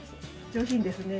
上品ですね。